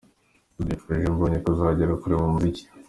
Dudu yifurije Mbonyi kuzagera kure mu muziki.